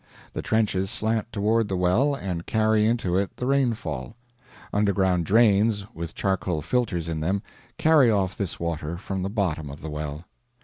The trenches slant toward the well and carry into it the rainfall. Underground drains, with charcoal filters in them, carry off this water from the bottom of the well.